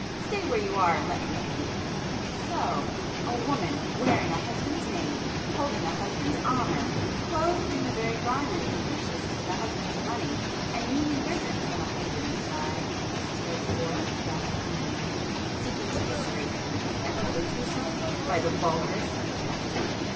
Stay where you are and let me look at you! So!—a woman, [p 366] wearing a husband's name, holding a husband's honour, clothed in the very garments purchased with a husband's money, and newly risen from a husband's side, steals forth thus in the night, seeking to disgrace him and pollute herself by the vulgarest unchastity!